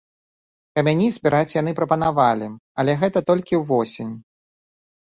Камяні збіраць яны прапанавалі, але гэта толькі ўвосень.